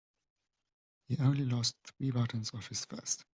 He only lost three buttons off his vest.